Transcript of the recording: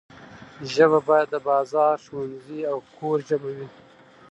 ژبه باید د بازار، ښوونځي او کور ژبه وي.